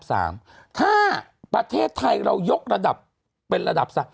ถ้าประเทศไทยเรายกระดับเป็นระดับ